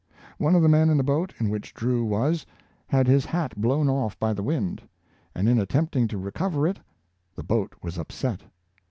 One of the men in the boat in which Drew was, had his hat blown off by the wind, and in attempting to recover it, the boat was upset.